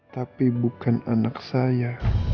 tapi bukan anak saya